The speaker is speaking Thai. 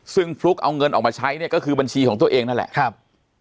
ซึ่งฟลุ๊กเอาเงินออกมาใช้เนี่ยก็คือบัญชีของตัวเองนั่นแหละครับ